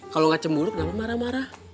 kalo gak cemburu kenapa marah marah